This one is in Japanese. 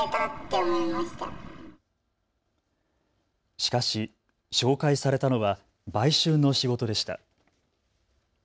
しかし紹介されたのは売春の仕事でした。